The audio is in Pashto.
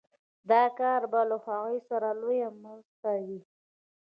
دا کار به له هغوی سره لويه مرسته وي